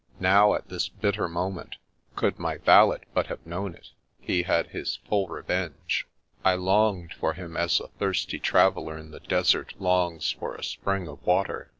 Now at this bitter 284 The Princess Passes moment, could my valet but have known it, he had his full revenge. I longed for him as a thirsty trav eller in the desert longs for a spring of water.